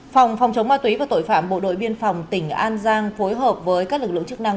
phòng phòng chống ma túy và tội phạm bộ đội biên phòng tỉnh an giang phối hợp với các lực lượng chức năng